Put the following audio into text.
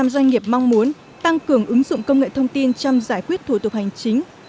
một mươi doanh nghiệp mong muốn tăng cường ứng dụng công nghệ thông tin trong giải quyết thủ tục hành chính